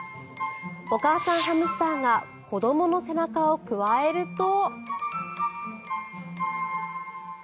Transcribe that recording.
お母さんハムスターが子どもの背中をくわえると。